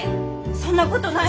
そんなことない！